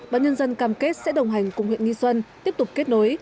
báo nhân dân cam kết sẽ đồng hành cùng huyện nghi xuân tiếp tục kết nối